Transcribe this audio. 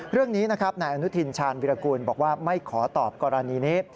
เรื่องนี้นะครับนายอนุทินชาญวิรากูลบอกว่าไม่ขอตอบกรณีนี้